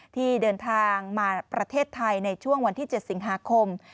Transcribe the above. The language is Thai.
ที่เดินทางมาประเทศไทยในช่วงวันที่๗สิงหาคม